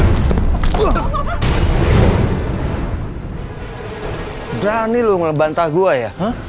berani lu ngebantah gua ya